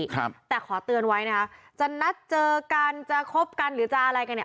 ครับแต่ขอเตือนไว้นะคะจะนัดเจอกันจะคบกันหรือจะอะไรกันเนี่ย